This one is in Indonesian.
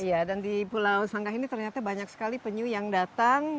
iya dan di pulau sanggah ini ternyata banyak sekali penyu yang datang